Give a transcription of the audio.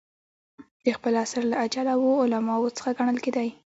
د خپل عصر له اجله وو علماوو څخه ګڼل کېدئ.